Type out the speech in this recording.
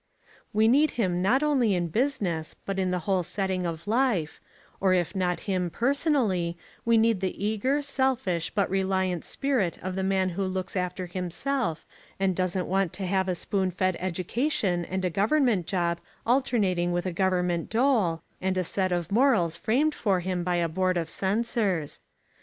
We need him not only in business but in the whole setting of life, or if not him personally, we need the eager, selfish, but reliant spirit of the man who looks after himself and doesn't want to have a spoon fed education and a government job alternating with a government dole, and a set of morals framed for him by a Board of Censors.